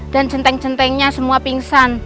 dan centeng centengnya semua pingsan